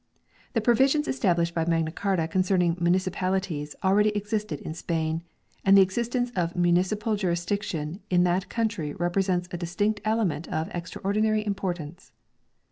The provisions established by Magna Carta concerning municipali ties already existed in Spain ; and the existence of municipal jurisdiction in that country represents a distinct element of extraordinary importance.